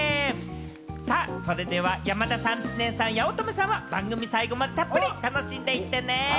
それでは山田さん、知念さん、八乙女さんは番組、最後までたっぷり楽しんでいってね。